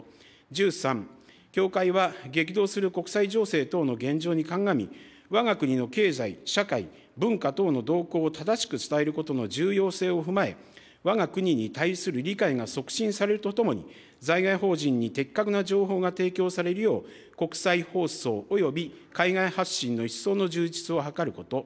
１３、協会は、激動する国際情勢等の現状に鑑み、わが国の経済、社会、文化等の動向を正しく伝えることの重要性を踏まえ、わが国に対する理解が促進されるとともに、在外邦人に的確な情報が提供されるよう、国際放送および海外発信の一層の充実を図ること。